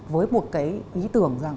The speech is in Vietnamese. với một cái ý tưởng rằng